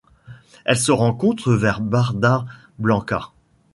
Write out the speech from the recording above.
Elle se rencontre vers Bardas Blancas.